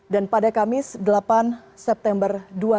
dan pada kamis delapan september dua ribu dua puluh dua